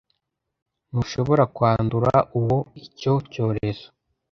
Ntushobora kwandura uwo icyo cyorezo